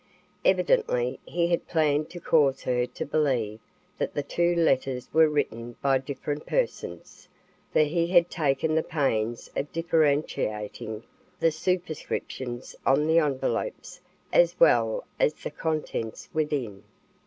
Evidently he had planned to cause her to believe that the two letters were written by different persons, for he had taken the pains of differentiating the superscriptions on the envelopes as well as the contents within.